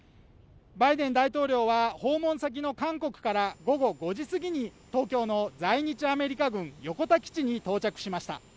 バイデン大統領は訪問先の韓国から午後５時すぎに東京の在日アメリカ軍横田基地に到着しました。